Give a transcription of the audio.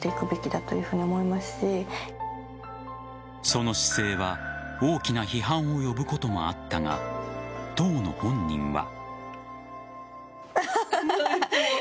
その姿勢は大きな批判を呼ぶこともあったが当の本人は。